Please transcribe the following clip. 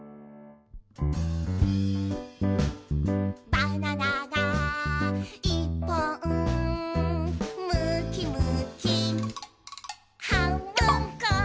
「バナナがいっぽん」「むきむきはんぶんこ！」